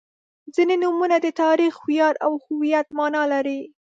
• ځینې نومونه د تاریخ، ویاړ او هویت معنا لري.